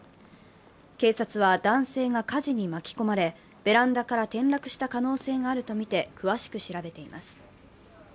警察は男性が火事に巻き込まれ、ベランダから転落した可能性があとみて詳しく調べています。